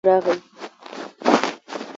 په کال زر درې سوه اوو ویشت پلازمینې کابل ته راغی.